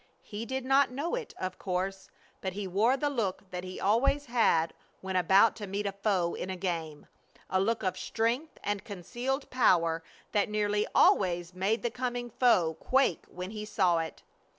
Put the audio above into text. He did not know it, of course, but he wore the look that he always had when about to meet a foe in a game a look of strength and concealed power that nearly always made the coming foe quake when he saw it.